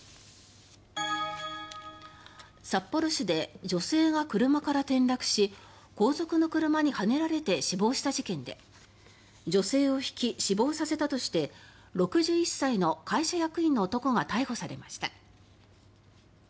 札幌市で女性が車から転落し後続の車にはねられて死亡した事件で女性をひき死亡させたとして６１歳の会社役員の男が逮捕されました。